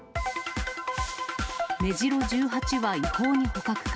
メジロ１８羽、違法に捕獲か。